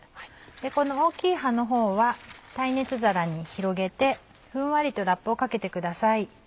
この大きい葉の方は耐熱皿に広げてふんわりとラップをかけてください。